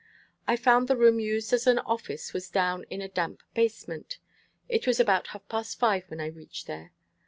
I found the room used as an office was down in a damp basement. It was about half past five when I reached there.